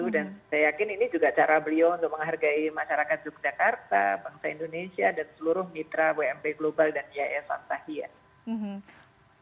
saya yakin ini juga cara beliau untuk menghargai masyarakat yogyakarta bangsa indonesia dan seluruh mitra wmp global dan ys antahia